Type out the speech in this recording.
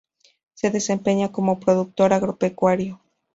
Se desempeña como productor agropecuario.